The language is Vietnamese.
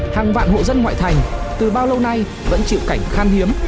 hàng vạn hộ dân ngoại thành từ bao lâu nay vẫn chịu cảnh khan hiếm